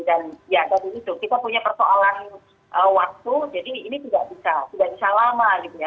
dan ya dari itu kita punya persoalan waktu jadi ini tidak bisa lama gitu ya